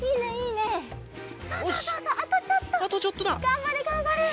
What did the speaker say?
がんばれがんばれ。